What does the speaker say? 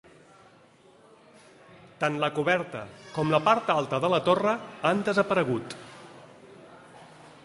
Tant la coberta com la part alta de la torre han desaparegut.